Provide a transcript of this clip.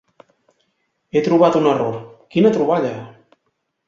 He trobat un error, quina troballa!